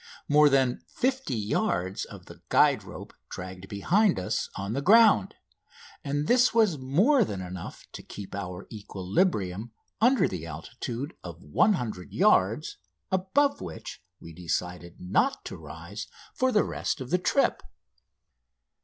More than 50 yards of the guide rope dragged behind us on the ground; and this was more than enough to keep our equilibrium under the altitude of 100 yards, above which we decided not to rise for the rest of the trip.